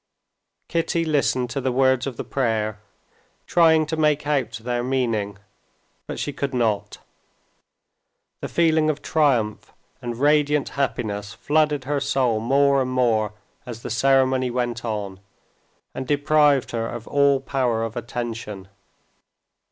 Kitty listened to the words of the prayer, trying to make out their meaning, but she could not. The feeling of triumph and radiant happiness flooded her soul more and more as the ceremony went on, and deprived her of all power of attention.